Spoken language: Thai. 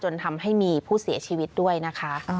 ทำให้มีผู้เสียชีวิตด้วยนะคะ